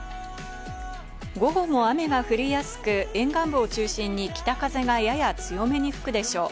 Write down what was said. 午後も雨が降りやすく沿岸部を中心に北風がやや強めに吹くでしょう。